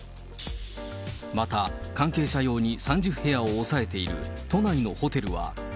また、関係者用に３０部屋を抑えている都内のホテルは。